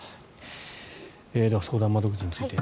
では、相談窓口について。